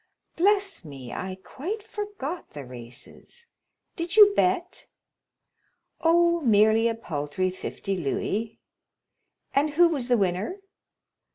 "Bless me, I quite forgot the races. Did you bet?" "Oh, merely a paltry fifty louis." "And who was the winner?"